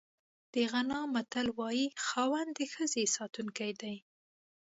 د غانا متل وایي خاوند د ښځې ساتونکی دی.